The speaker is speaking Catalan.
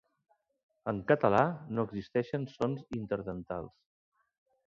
En català, no existeixen sons interdentals.